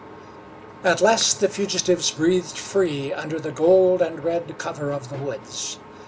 At last the fugitives breathed free under the gold and red cover of the woods.